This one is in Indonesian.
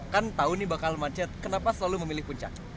kan tahun ini bakal macet kenapa selalu memilih puncak